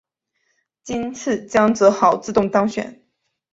今次江泽濠自动当选。